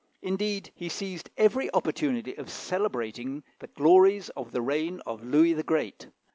Indeed, he seized every opportunity of celebrating the glories of the reign of Louis the Great.